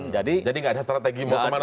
jadi nggak ada strategi mau kemana suara